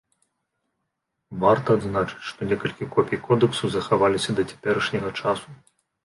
Варта адзначыць, што некалькі копій кодэкса захаваліся да цяперашняга часу.